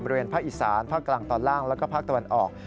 บริเวณภาคอีสานภาคกลางตอนล่างแล้วก็ภาคตะวันออก